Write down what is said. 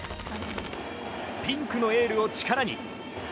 ピンクのエールを力に。